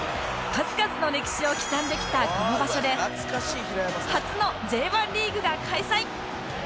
数々の歴史を刻んできたこの場所で初の Ｊ１ リーグが開催！